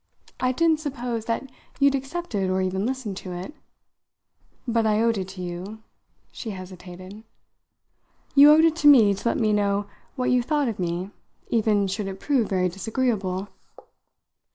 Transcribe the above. I didn't suppose that you'd accept it or even listen to it. But I owed it to you " She hesitated. "You owed it to me to let me know what you thought of me even should it prove very disagreeable?"